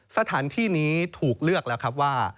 สถานที่นี้ถูกเลือกแล้วครับว่า